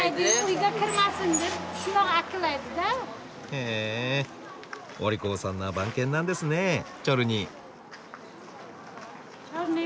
へえお利口さんな番犬なんですねチョルニー。